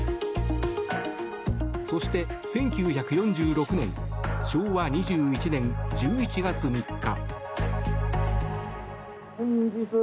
そして、１９４６年昭和２１年１１月３日。